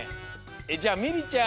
じゃあミリちゃん。